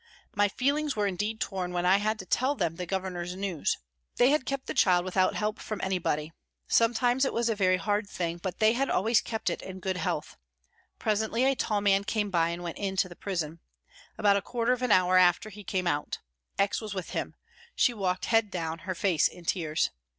My feelings were indeed torn when I had to tell them the Governor's news. They had kept the child without help from anybody, sometimes it was a very hard thing, but they had always kept it in good health. Presently a tall man came by and went into the prison. About a quarter of an hour after he came out. X. was with him. She walked head down, her face in tears.